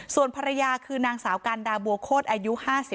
ส่วนภรรยาคือนางสาวกันดาบัวโคตรอายุ๕๓